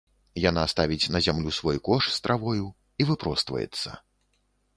Яна ставіць на зямлю свой кош з травою і выпростваецца.